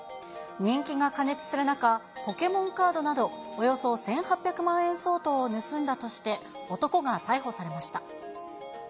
人気が過熱する中、ポケモンカードなど、およそ１８００万円相当を盗んだとして、男が逮捕されました。